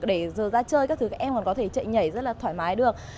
để giờ ra chơi các thứ các em còn có thể chạy nhảy rất là thoải mái được